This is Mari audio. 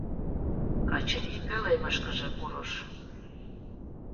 Качырий пӧлемышкыже пурыш.